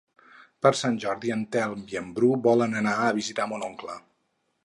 Per Sant Jordi en Telm i en Bru volen anar a visitar mon oncle.